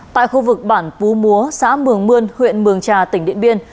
tại khu vực bản pú múa xã mường mươn huyện mường trà tỉnh điện biên